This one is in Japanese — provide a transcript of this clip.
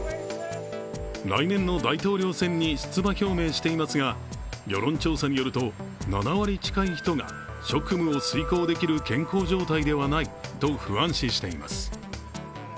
来年の大統領選に出馬表明していますが世論調査によると、７割近い人が職務を遂行できる健康状態ではないと不安視しています。